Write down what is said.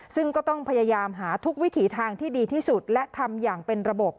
ซึ่งก็ต้องพยายามหาทุกวิถีทางที่ดีที่สุดและทำอย่างเป็นระบบ